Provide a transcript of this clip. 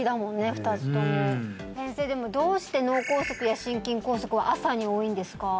２つとも先生でもどうして脳梗塞や心筋梗塞は朝に多いんですか？